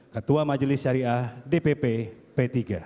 ketua majelis syariah dpp p tiga